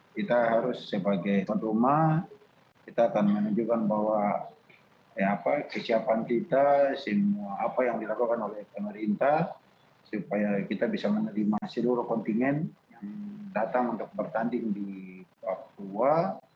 kita harus sebagai tuan rumah kita akan menunjukkan bahwa kesiapan kita semua apa yang dilakukan oleh pemerintah supaya kita bisa menerima seluruh kontingen yang datang untuk bertanding di papua